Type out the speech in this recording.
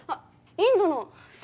インドの猿。